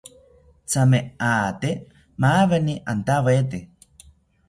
Thame ate maweni antawete